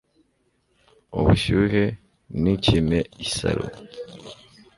Ubushyuhe nikimeisaro